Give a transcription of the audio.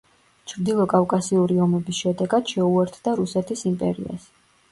ჩრდილო კავკასიური ომების შედეგად, შეუერთდა რუსეთის იმპერიას.